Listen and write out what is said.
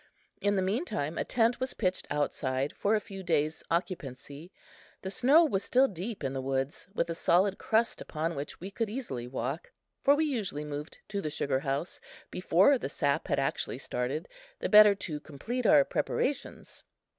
In the meantime a tent was pitched outside for a few days' occupancy. The snow was still deep in the woods, with a solid crust upon which we could easily walk; for we usually moved to the sugar house before the sap had actually started, the better to complete our preparations.